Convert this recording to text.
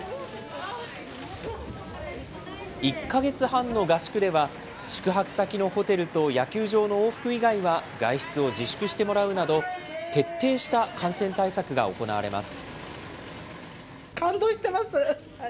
１か月半の合宿では、宿泊先のホテルと野球場の往復以外は外出を自粛してもらうなど、徹底した感染対策が行われます。